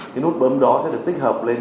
cái nút bấm đó sẽ được tích hợp lên